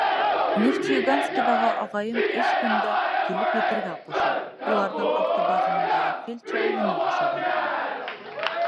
Нефтеюганскиҙағы ағайым өс көндә килеп етергә ҡуша, уларҙың автобазаһында фельдшер урыны бушаған.